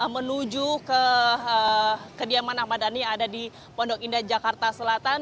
menuju ke kediaman ahmad dhani yang ada di pondok indah jakarta selatan